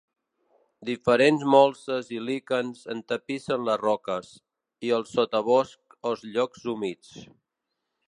Diferents molses i líquens entapissen les roques, i el sotabosc als llocs humits.